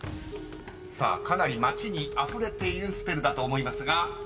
［さあかなり街にあふれているスペルだと思いますが］